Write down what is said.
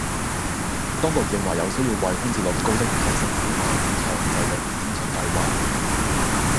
當局認同有需要為空置率高的熟食小販市場制訂遷出計劃